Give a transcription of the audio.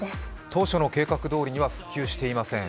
当初の計画どおりには復旧していません。